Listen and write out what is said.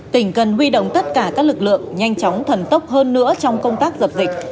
tỉnh cần huy động tất cả các lực lượng nhanh chóng thần tốc hơn nữa trong công tác dập dịch